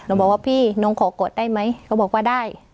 บอกว่าพี่น้องขอกอดได้ไหมเขาบอกว่าได้